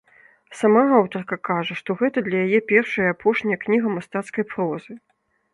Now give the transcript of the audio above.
Сама аўтарка кажа, што гэта для яе першая і апошняя кніга мастацкай прозы.